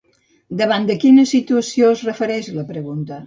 Davant de quina situació, es refereix la pregunta?